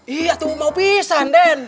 iya tuh mau pisan den